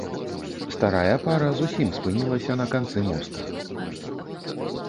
Старая пара зусім спынілася на канцы моста.